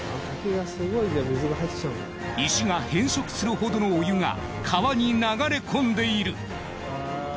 石が変色するほどのお湯が川に流れ込んでいる。